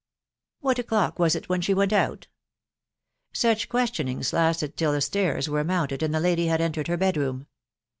.... What o'clock was it wheii she went out ?".... Such questionings lasted till the stairs were mounted, and the lady had entered her bed room.